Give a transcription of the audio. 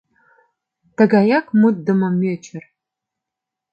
— Тыгаяк мутдымо мӧчыр!